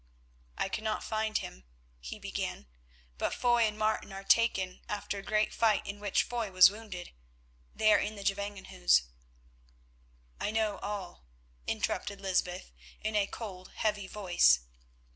"I cannot find him," he began, "but Foy and Martin are taken after a great fight in which Foy was wounded. They are in the Gevangenhuis." "I know all," interrupted Lysbeth in a cold, heavy voice.